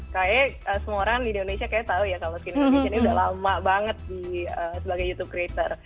wah mbak kayak semua orang di indonesia kayaknya tahu ya kalau skinny indonesia ini udah lama banget sebagai youtube creator